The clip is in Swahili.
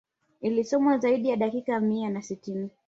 Ilisomwa zaidi ya dakika mia na sitini